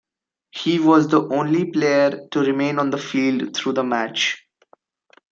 He was the only player to remain on the field through the match.